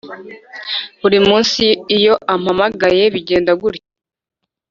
buri munsi iyo ampamagaye bigenda gutyo